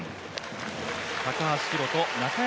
高橋宏斗、中山